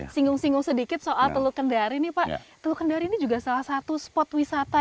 singgung singgung sedikit soal teluk kendari nih pak teluk kendari ini juga salah satu spot wisata